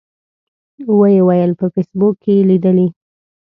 و یې ویل په فیسبوک کې یې لیدلي.